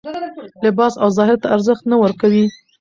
لباس او ظاهر ته ارزښت نه ورکوي